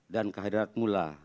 dan kehadirat mu kami berterima kasih